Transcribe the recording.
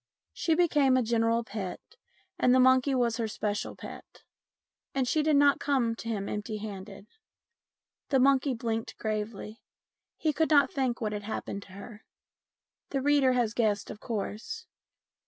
She became a general pet, and the monkey was her special pet, and she did not come to him empty handed. The monkey blinked gravely. He could not think what had happened to her. The reader has guessed, of course.